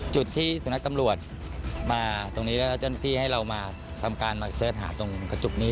จุดที่สุนัขตำรวจมาตรงนี้แล้วเจ้าหน้าที่ให้เรามาทำการมาเสิร์ชหาตรงกระจุกนี้